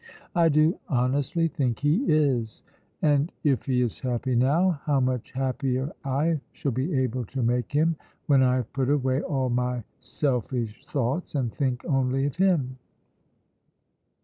I do honestly think he is. And if he is happy now, how much happier I shall be able to make him when I have put away all my selfish thoughts and think only of him."